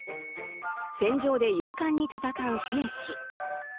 戦場で勇敢に戦う兵士。